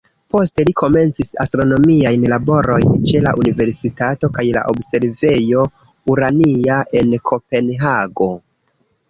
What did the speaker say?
Poste li komencis astronomiajn laborojn ĉe la universitato kaj la observejo "Urania" en Kopenhago.